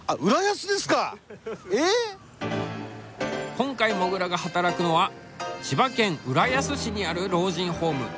今回もぐらが働くのは千葉県浦安市にある老人ホーム。